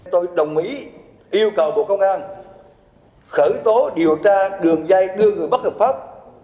tôi đồng ý yêu cầu bộ công an khởi tố điều tra đường dây đưa người bất hợp pháp